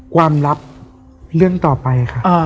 ความลับเรื่องต่อไปค่ะ